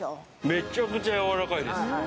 めちゃくちゃやわらかいです。